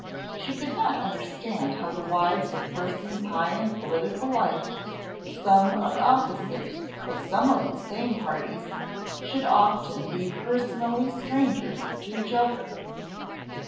She could not understand how the wives of persons high in political life, some of opposite, but some of the same parties, should often be personally strangers to each other.